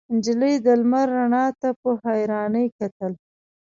نجلۍ د لمر رڼا ته په حيرانۍ کتل.